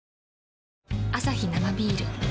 アサヒ生ビール